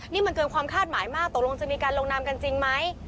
นี่มันเกินความคาดหมายมากตกลงจะมีการลงนามกันจริงไหม